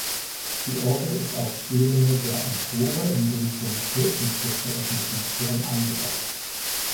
Die Orgel ist auf Ebene der Empore in den zum Kirchenschiff geöffneten Turm eingebaut.